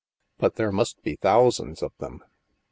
" But there must be thousands of them."